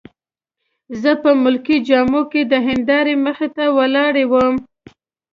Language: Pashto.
زه په ملکي جامه کي د هندارې مخې ته ولاړ وم.